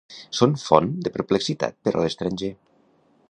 Són font de perplexitat per a l'estranger.